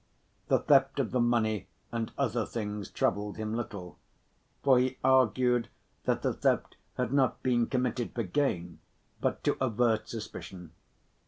The theft of the money and other things troubled him little, for he argued that the theft had not been committed for gain but to avert suspicion.